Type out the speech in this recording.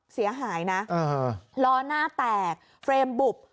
เสียหายนะล้อหน้าแตกเฟรมบุบ